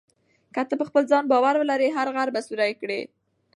که ته په خپل ځان باور ولرې، هر غر به سوري کړې.